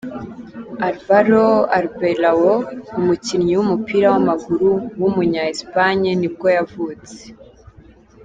Álvaro Arbeloa, umukinnyi w’umupira w’amaguru w’umunya Espagne nibwo yavutse.